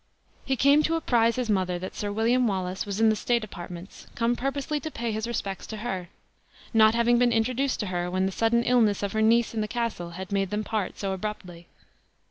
He came to apprise his mother that Sir William Wallace was in the state apartments, come purposely to pay his respects to her, not having even been introduced to her when the sudden illness of her niece in the castle had made them part so abruptly.